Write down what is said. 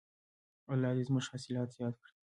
الله دې زموږ حاصلات زیات کړي.